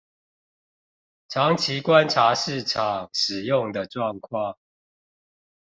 長期觀察市場使用的狀況